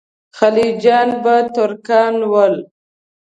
خلجیان به ترکان ول.